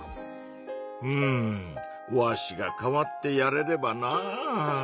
うんわしが代わってやれればなぁ。